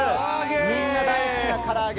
みんな大好きな、から揚げ